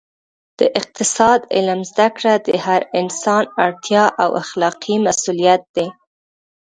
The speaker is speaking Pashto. د اقتصاد علم زده کړه د هر انسان اړتیا او اخلاقي مسوولیت دی